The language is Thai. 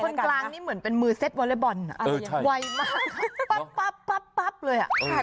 คนกลางนี่เหมือนเป็นมือเซ็ตวอเล็กบอลไวมากปั๊บปั๊บปั๊บเลยอ่ะ